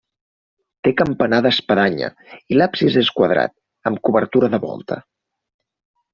Té campanar d'espadanya i l'absis és quadrat, amb cobertura de volta.